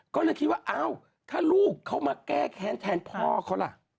ก็เลยคิดว่าอ้าวถ้าลูกเขามาแก้แค้นแทนพ่อเขาล่ะ